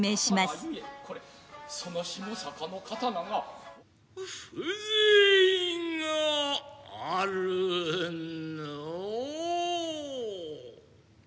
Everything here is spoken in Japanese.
これその下坂の刀が風情があるなあ。